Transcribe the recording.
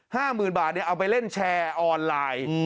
หมื่นบาทเนี่ยเอาไปเล่นแชร์ออนไลน์